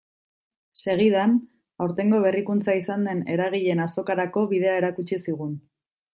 Segidan, aurtengo berrikuntza izan den eragileen azokarako bidea erakutsi zigun.